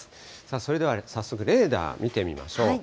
それでは早速、レーダー見てみましょう。